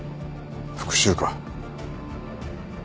復讐か？